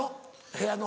部屋の。